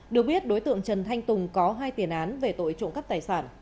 được biết đối tượng trần thanh tùng có hai tiền án về tội trộm cắp tài sản